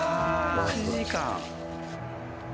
１時間！